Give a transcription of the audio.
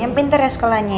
yang pintarnya sekolahnya